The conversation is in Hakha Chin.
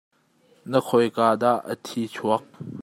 Na khoi kaa dah a thi chuak?